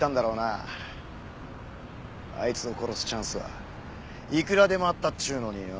あいつを殺すチャンスはいくらでもあったっちゅうのによ。